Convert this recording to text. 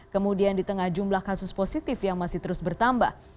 kemudian di tengah jumlah kasus positif yang masih terus bertambah